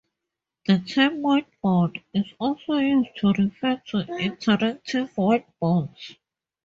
The term "whiteboard" is also used to refer to interactive whiteboards.